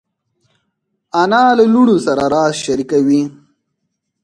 انا له لوڼو سره راز شریکوي